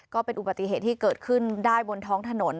ก็เป็นอุบัติเหตุที่เกิดขึ้นได้บนท้องถนน